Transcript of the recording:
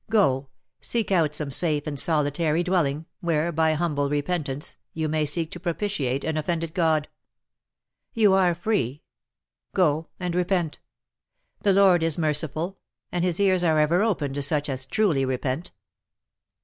Go, seek out some safe and solitary dwelling, where, by humble repentance, you may seek to propitiate an offended God! You are free! Go and repent; the Lord is merciful, and his ears are ever open to such as truly repent."